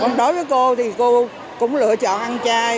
còn đối với cô thì cô cũng lựa chọn ăn chay